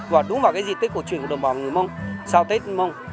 và đúng vào cái gì tết cổ truyền của đồng bào người mông sau tết mông